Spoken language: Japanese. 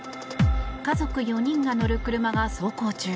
家族４人が乗る車が走行中